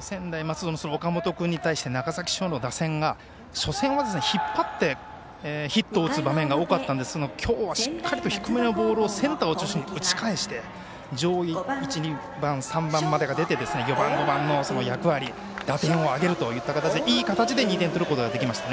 専大松戸の岡本君に対して長崎商業の打線が初戦は引っ張ってヒットを打つ場面が多かったですが今日はしっかり低めのボールをセンター中心に打ち返して、上位１、２、３番までが出て４番、５番の役割打点を挙げるという形でいい形で２点取ることができました。